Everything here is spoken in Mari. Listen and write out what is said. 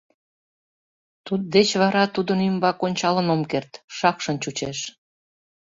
Туддеч вара тудын ӱмбак ончалын ом керт, шакшын чучеш.